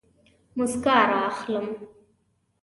موسکا رااخلم